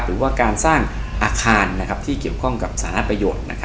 หรือว่าการสร้างอาคารที่เกี่ยวข้องกับสารประโยชน์